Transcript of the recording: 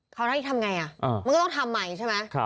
เขาต้องให้ทำไงอะมันก็ต้องทำใหม่ใช่ไหม